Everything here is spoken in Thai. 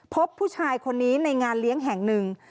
พบผู้ชายคนนี้ในงานเลี้ยงแห่งหนึ่ง